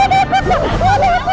udah cepetan cepetan